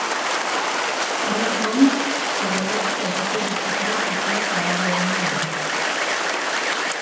Horrez gain, zerrendak errekurritzeko epea zabaldu egingo dute.